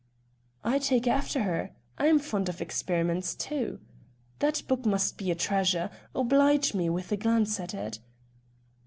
"I take after her; I'm fond of experiments too. That book must be a treasure. Oblige me with a glance at it."